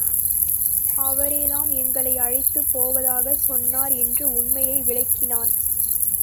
அவரேதான் எங்களை அழைத்துப் போவதாகச் சொன்னார் என்று உண்மையை விளக்கினான்.